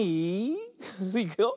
いくよ。